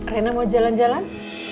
rena mau jalan jalan